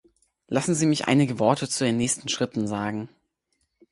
Lassen Sie mich einige Worte zu den nächsten Schritten sagen.